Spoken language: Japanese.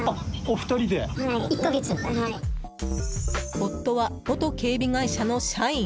夫は、元警備会社の社員。